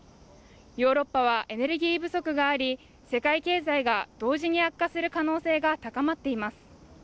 ヨーロッパはエネルギー不足があり世界経済が同時に悪化する可能性が高まっています